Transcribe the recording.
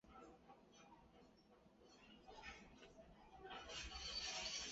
里加体育馆是一座位于拉脱维亚里加的室内体育馆。